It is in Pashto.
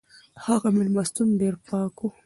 هغه مېلمستون ډېر پاک و.